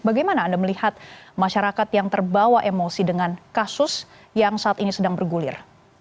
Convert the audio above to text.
bagaimana anda melihat masyarakat yang terbawa emosi dengan kasus yang saat ini sedang bergulir